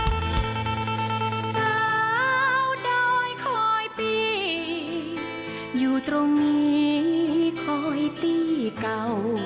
ราวดอยคอยปีอยู่ตรงนี้คอยตี้เก่า